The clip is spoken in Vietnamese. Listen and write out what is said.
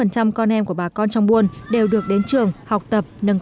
một trăm linh con em của bà con trong buôn đều được đến trường học tập nâng cao